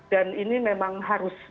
dan ini memang harus